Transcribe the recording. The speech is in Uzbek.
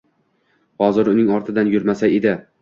Hozir uning ortidan yurmasa edi.